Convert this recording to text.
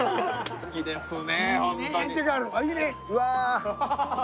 好きですね